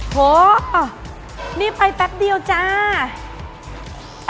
โหนี่ไปแป๊บเดียวจ้า